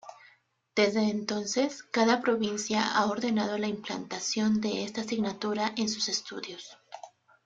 Desde entonces, cada provincia ha ordenado la implantación de esta asignatura en sus estudios.